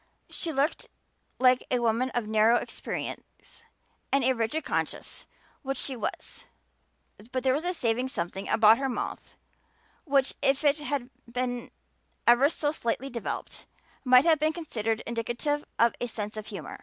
She looked like a woman of narrow experience and rigid conscience, which she was; but there was a saving something about her mouth which, if it had been ever so slightly developed, might have been considered indicative of a sense of humor.